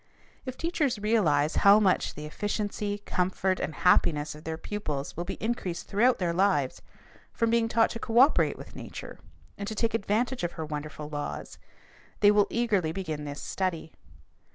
If teachers realize how much the efficiency, comfort, and happiness of their pupils will be increased throughout their lives from being taught to coöperate with nature and to take advantage of her wonderful laws, they will eagerly begin this study.